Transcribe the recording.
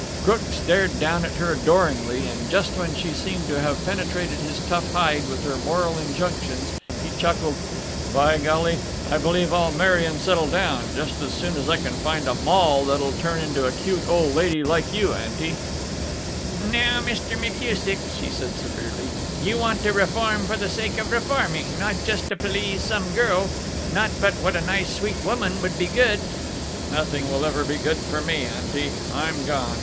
Crook stared down at her adoringly, and just when she seemed to have penetrated his tough hide with her moral injunctions he chuckled: "By golly! I believe I'll marry and settle down just as soon as I can find a moll that'll turn into a cute old lady like you, aunty." "Now, Mr. McKusick," she said, severely, "you want to reform for the sake of reforming, not just to please some girl not but what a nice sweet woman would be good " "Nothing will ever be good for me, aunty. I'm gone.